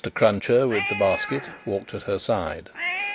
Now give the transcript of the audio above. Cruncher, with the basket, walked at her side.